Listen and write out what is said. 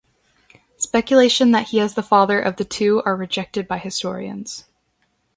Speculation that he is the father of the two are rejected by historians.